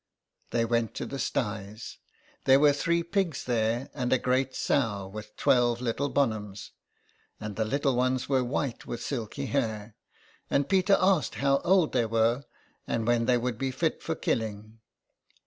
They went to the styes ; there were three pigs there and a great sow with twelve little bonhams, and the little ones were white with silky hair, and Peter asked how old they were, and when they would be fit for killing.